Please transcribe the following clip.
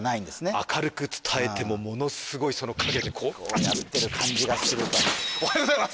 明るく伝えてもものすごいその陰でこうやってる感じがするとおはようございます！